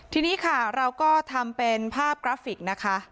ทีนี้ค่ะเราก็ทำเป็นภาพกราฟิกนะคะ